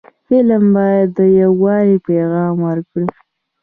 فلم باید د یووالي پیغام ورکړي